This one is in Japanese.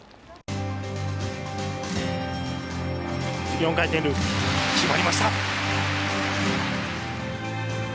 ４回転ループ決まりました。